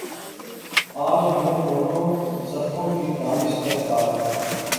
آج ہمیںدونوں سطحوں کی دانش درکار ہے